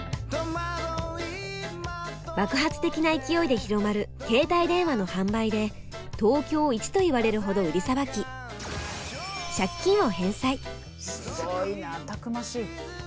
爆発的な勢いで広まる携帯電話の販売で東京イチといわれるほど売りさばきすごいなたくましい。